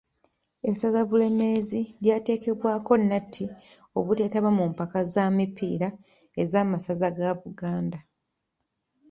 Essaza Bulemeezi lyateekebwaako nnatti obuteetaba mu mpaka za mipiira ez’a Masaza ga buganda.